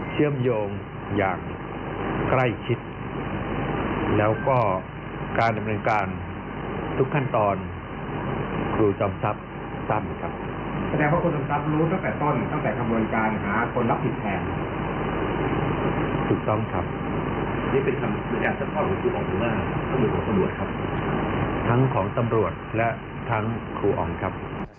สมควรครับ